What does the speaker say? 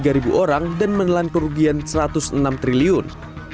mencapai dua puluh tiga ribu orang dan menelan kerugian satu ratus enam triliun